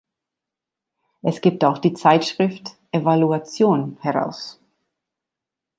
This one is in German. Es gibt auch die Zeitschrift „Evaluation“ heraus.